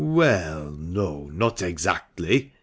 " We 11, no — not exactly